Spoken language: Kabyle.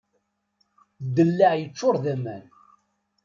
Ddellaɛ yeččur d aman.